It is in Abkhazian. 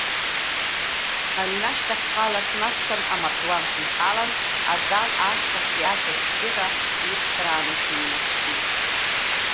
Аҩны ашьҭахьҟала снакәшан, амардуан сынхалан, азал ашьҭахьтә ашә ашьшьыҳәа ивҵрааны сныҩнаԥшит.